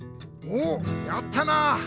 おやったな！